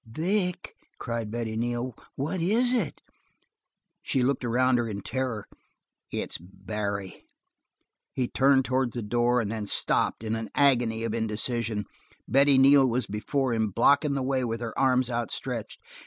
"Vic," cried Betty Neal, "what is it!" She looked around her in terror. "It's Barry." He turned towards the door, and then stopped, in an agony of indecision. Betty Neal was before him, blocking the way with her arms outstretched.